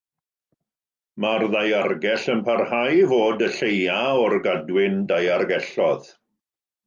Mae'r Ddaeargell yn parhau i fod y lleiaf o'r gadwyn daeargelloedd.